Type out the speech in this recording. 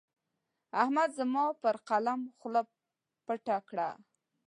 احمد زما پر قلم خوله پټه کړه.